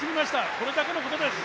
それだけのことです。